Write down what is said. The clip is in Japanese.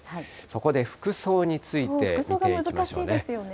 そこで服装について見ていきましょうね。